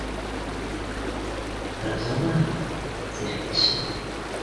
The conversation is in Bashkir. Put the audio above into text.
Рауза лаһаң - тере кеше.